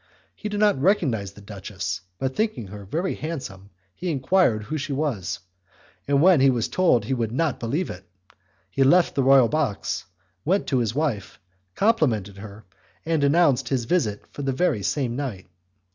He did not recognize the duchess, but thinking her very handsome he enquired who she was, and when he was told he would not believe it; he left the royal box, went to his wife, complimented her, and announced his visit for the very same night.